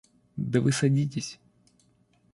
Да вы садитесь.